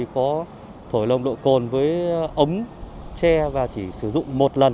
có thổi lồng độ cồn với ống che và chỉ sử dụng một lần